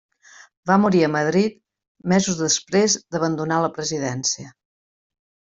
Va morir a Madrid mesos després d'abandonar la presidència.